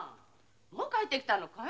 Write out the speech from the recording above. もう帰って来たのかい？